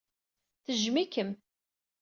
Tejjem-ikem.